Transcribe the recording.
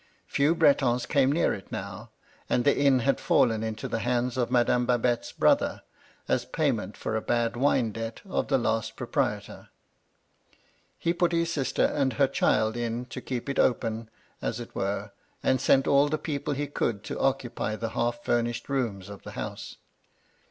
Few Bretons came near it now, and the inn had fallen into the hands of Madame Babette's brother, as payment for a bad wine debt of the last proprietor. He put his sister and her child in, to keep it open, as it were, and sent all the people he could to occupy the half furnished rooms of the house.